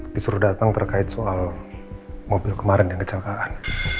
disuruh datang terkait soal mobil kemarin yang kecelakaan